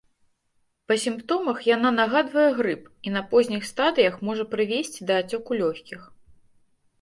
Па сімптомах яна нагадвае грып і на позніх стадыях можа прывесці да ацёку лёгкіх.